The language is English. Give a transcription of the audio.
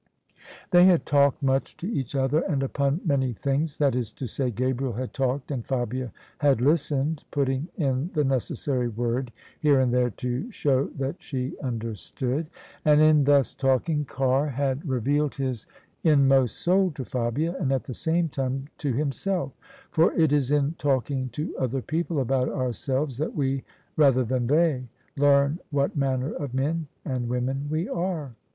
They had talked much to each other, and upon many things: that is to say, Gabriel had talked and Fabia had listened, putting in the necessary word here and there to show that she understood. And in thus talking, Carr had THE SUBJECTION revealed his inmost soul to Fabia, and at the same time to himself — for it is in talking to other people about ourselves, that we, rather than they, learn what manner of men and women we are.